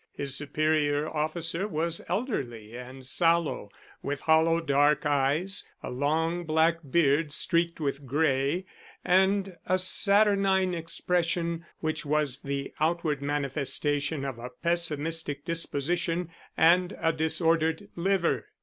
His superior officer was elderly and sallow, with hollow dark eyes, a long black beard streaked with grey, and a saturnine expression, which was the outward manifestation of a pessimistic disposition and a disordered liver.